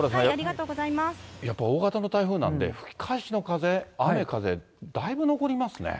やっぱ大型の台風なんで、吹き返しの風、雨風、だいぶ残りますね。